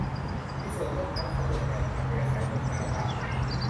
มีส่วนร่วมทั้งเสนอแนวทางแก้ปัญหาต่าง